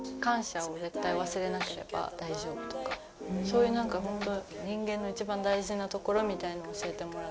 そういう何かホント。